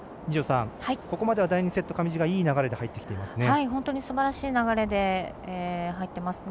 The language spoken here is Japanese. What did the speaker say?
ここまでは第２セット、上地がいい流れで入ってきていますね。